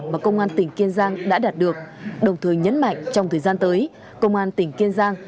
mà công an tỉnh kiên giang đã đạt được đồng thời nhấn mạnh trong thời gian tới công an tỉnh kiên giang